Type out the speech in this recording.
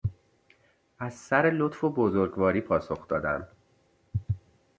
از سر لطف و بزرگواری پاسخ دادن